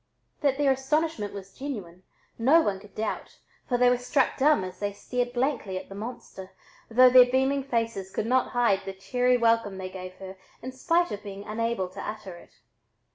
That their astonishment was genuine, no one could doubt, for they were struck dumb as they stared blankly at the "monster," though their beaming faces could not hide the cheery welcome they gave her in spite of being unable to utter it.